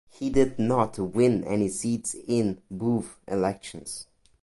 He did not win any seats in both elections.